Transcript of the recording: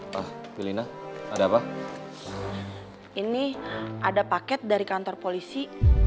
kau nyelsaikan papa aku ga diaf komme